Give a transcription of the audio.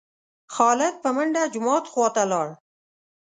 خالد په منډه جومات خوا ته لاړ.